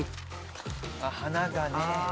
花がね。